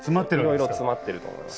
いろいろ詰まっていると思います。